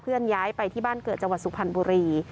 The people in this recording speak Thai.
เคลื่อนย้ายไปที่บ้านเกือบจังหวัดสุพันธ์บุรี